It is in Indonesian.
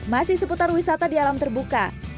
masih seputar wisata di alam terbuka